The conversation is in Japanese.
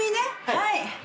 はい。